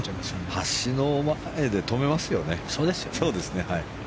橋の前で止めますよね。